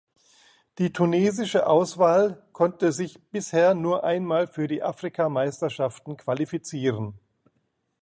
Die tunesische Auswahl konnte sich bisher nur einmal für die Afrikameisterschaften qualifizieren.